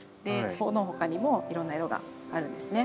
この他にもいろんな色があるんですね。